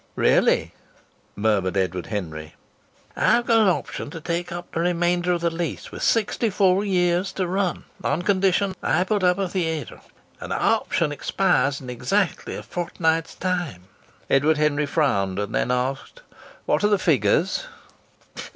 "Really!" murmured Edward Henry. "I've got an option to take up the remainder of the lease, with sixty four years to run, on the condition I put up a theatre. And the option expires in exactly a fortnight's time." Edward Henry frowned and then asked: "What are the figures?"